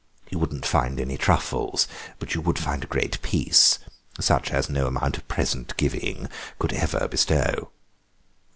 You wouldn't find any truffles but you would find a great peace, such as no amount of present giving could ever bestow."